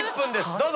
どうぞ！